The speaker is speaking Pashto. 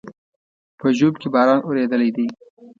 په ژوب کې باران اورېدلى دی